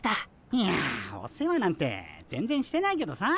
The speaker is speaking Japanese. いやお世話なんて全然してないけどさ。